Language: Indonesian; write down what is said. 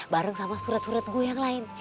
bareng sama surat surat gue yang lain